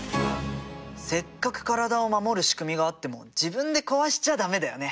せっかく体を守る仕組みがあっても自分で壊しちゃ駄目だよね。